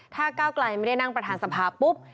ถ้าก้าวไกลไม่ได้นั่งประธานสภาปุ๊บ